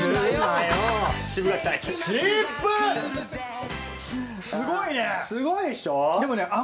すごいね！